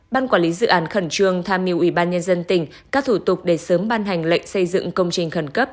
ban quản lý dự án khẩn trương tham mưu ủy ban nhân dân tỉnh các thủ tục để sớm ban hành lệnh xây dựng công trình khẩn cấp